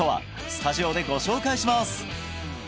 スタジオでご紹介します！